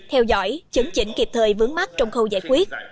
theo dõi chấn chỉnh kịp thời vướng mắt trong khâu giải quyết